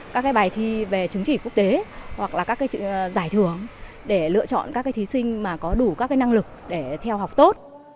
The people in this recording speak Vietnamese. các cái bài thi về chứng chỉ quốc tế hoặc là các cái giải thưởng để lựa chọn các cái thí sinh mà có đủ các cái năng lực để theo học tốt